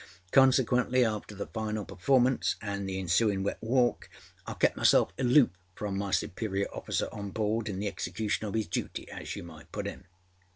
Consequently, after the final performance anâ the ensuinâ wet walk, I kepâ myself aloof from my superior officer on board in the execution of âis duty as you might put it.